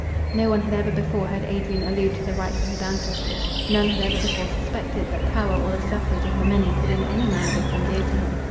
No one had ever before heard Adrian allude to the rights of his ancestors. None had ever before suspected, that power, or the suffrage of the many, could in any manner become dear to him.